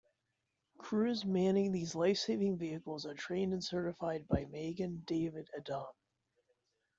Crews manning these lifesaving vehicles are trained and certified by Magen David Adom.